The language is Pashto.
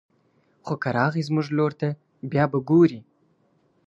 خو که راغی زموږ لور ته بيا به ګوري